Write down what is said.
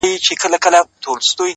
لاسو كې توري دي لاسو كي يې غمى نه دی;